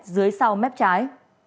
dưới sau mép trái